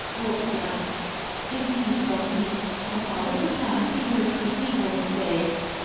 Wilbur gasped. His knees felt weak, and out of the past he heard a creaky voice say